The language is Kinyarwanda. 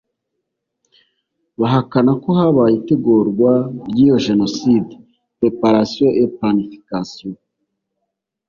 Bahakana ko habaye itegurwa ry’iyo Jenoside (préparation et planification)